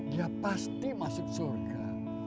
dia pasti masuk surga